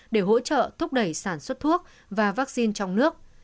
để hỗ trợ thúc đẩy sản xuất thuốc và vaccine trong nước